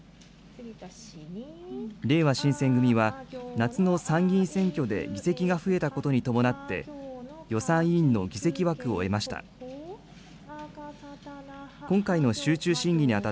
れいわ新選組は、夏の参議院選挙で議席が増えたことに伴って、予算委員の議席枠を得ました。